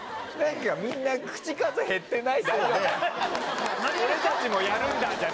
なんかみんな口数減ってない？